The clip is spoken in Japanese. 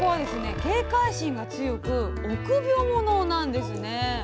警戒心が強く臆病ものなんですね。